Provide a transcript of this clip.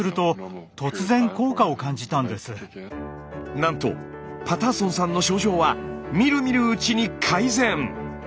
なんとパターソンさんの症状はみるみるうちに改善。